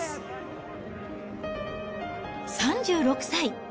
３６歳。